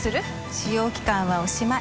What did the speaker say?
試用期間はおしまい。